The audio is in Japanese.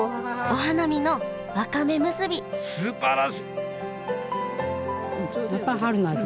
お花見のわかめむすびすばらしい。